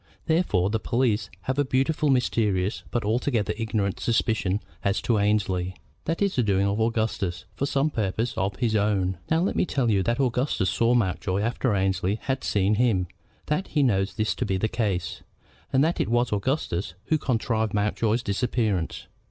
Therefore the police have a beautifully mysterious but altogether ignorant suspicion as to Annesley. That is the doing of Augustus, for some purpose of his own. Now, let me tell you that Augustus saw Mountjoy after Annesley had seen him, that he knows this to be the case, and that it was Augustus, who contrived Mountjoy's disappearance.